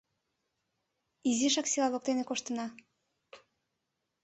Изишак села воктене коштына.